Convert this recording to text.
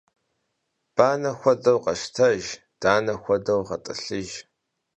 Bane xuedeu kheştejj, dane xuedeu ğet'ılhıjj.